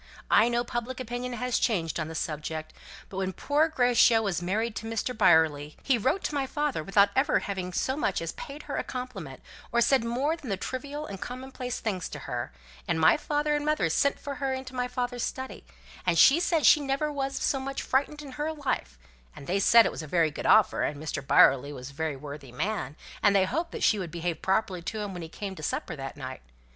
I know public opinion has changed on the subject; but when poor Gratia was married to Mr. Byerley, he wrote to my father without ever having so much as paid her a compliment, or said more than the most trivial and commonplace things to her; and my father and mother sent for her into my father's study, and she said she was never so much frightened in her life, and they said it was a very good offer, and Mr. Byerley was a very worthy man, and they hoped she would behave properly to him when he came to supper that night.